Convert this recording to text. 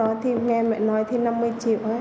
sau đó thì nghe mẹ nói thêm năm mươi triệu